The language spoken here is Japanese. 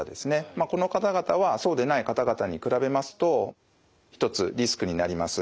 この方々はそうでない方々に比べますと一つリスクになります。